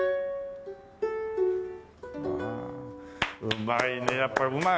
うまいねやっぱうまい！